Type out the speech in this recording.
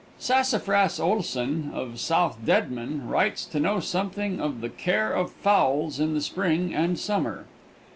Sassafras Oleson, of South Deadman, writes to know something of the care of fowls in the spring and summer.